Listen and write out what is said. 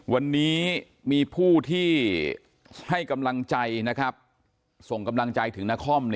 วันนี้มีผู้ที่ให้กำลังใจส่งกำลังใจถึงนคร